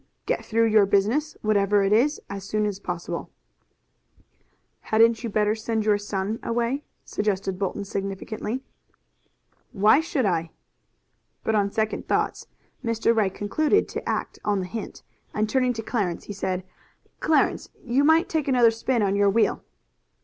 Get through your business, whatever it is, as soon as possible." "Hadn't you better send your son away?" suggested Bolton significantly. "Why should I?" But on second thoughts Mr. Ray concluded to act on the hint, and turning to Clarence he said: "Clarence, you might take another spin on your wheel."